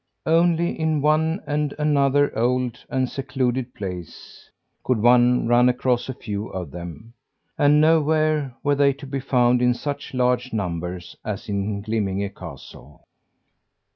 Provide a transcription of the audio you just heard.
Only in one and another old and secluded place could one run across a few of them; and nowhere were they to be found in such large numbers as in Glimminge castle.